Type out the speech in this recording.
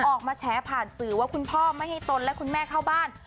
ออกมาแฉผ่านสื่อว่าคุณพ่อไม่ให้ตนและคุณแม่เข้าบ้าน